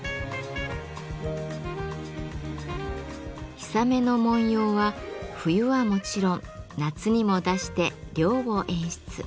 氷雨の文様は冬はもちろん夏にも出して涼を演出。